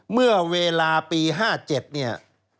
เมื่อเวลาปี๕๗เนี่ย